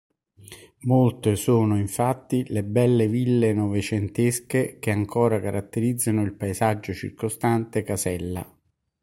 Molte sono infatti le belle ville novecentesche che ancora caratterizzano il paesaggio circostante Casella.